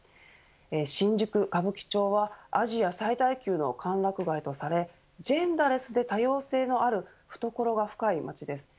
新宿、歌舞伎町はアジア最大級の歓楽街とされジェンダーレスで多様性のある懐が深い街です。